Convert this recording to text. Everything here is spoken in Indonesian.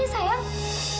ya allah ana